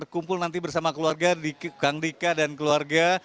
kumpul nanti bersama keluarga di kangdika dan keluarga